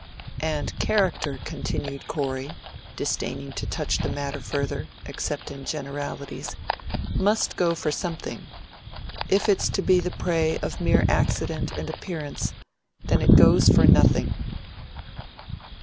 "And character," continued Corey, disdaining to touch the matter further, except in generalities, "must go for something. If it's to be the prey of mere accident and appearance, then it goes for nothing."